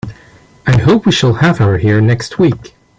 I hope we shall have her here next week.